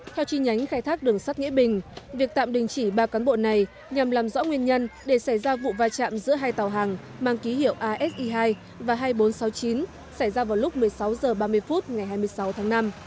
theo chi nhánh khai thác đường sắt nghĩa bình việc tạm đình chỉ ba cán bộ này nhằm làm rõ nguyên nhân để xảy ra vụ va chạm giữa hai tàu hàng mang ký hiệu asi hai và hai nghìn bốn trăm sáu mươi chín xảy ra vào lúc một mươi sáu h ba mươi phút ngày hai mươi sáu tháng năm